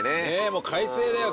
もう快晴だよ